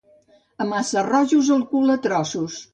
A Massarrojos, el cul a trossos.